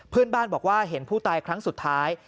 เพื่อนบ้านบอกว่าเห็นผู้ตายครั้งสุดท้าย